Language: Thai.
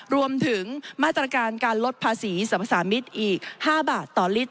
รวมถึงมาตรการการลดภาษีสรรพสามิตรอีก๕บาทต่อลิตร